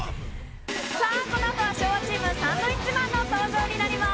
さあ、このあとは昭和チーム、サンドウィッチマンの登場になります。